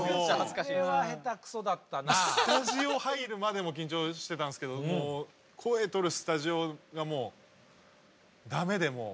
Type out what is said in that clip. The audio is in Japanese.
スタジオ入るまでも緊張してたんですけどもう声録るスタジオがもうダメでもう。